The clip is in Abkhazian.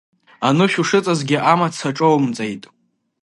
Анышә ушыҵазгьы амаҭ саҿоумҵеит.